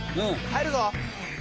入るぞ！